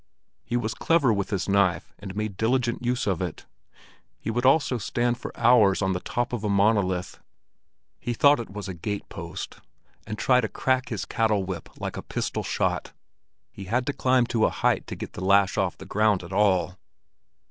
He was clever with his knife and made diligent use of it. He would also stand for hours on the top of a monolith—he thought it was a gate post—and try to crack his cattle whip like a pistol shot. He had to climb to a height to get the lash off the ground at all.